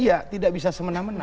iya tidak bisa semena mena